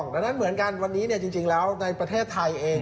ดังนั้นเหมือนกันวันนี้จริงแล้วในประเทศไทยเอง